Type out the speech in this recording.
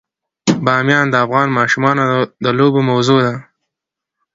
بامیان د افغان ماشومانو د لوبو موضوع ده.